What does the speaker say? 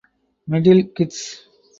Middle Kids